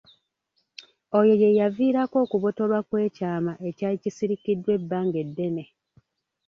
Oyo ye yaviirako okubotolwa kw’ekyama ekyali kisirikiddwa ebbanga eddene.